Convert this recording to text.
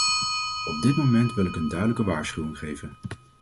Op dit moment wil ik een duidelijke waarschuwing geven.